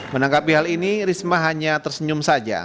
menanggapi hal ini risma hanya tersenyum saja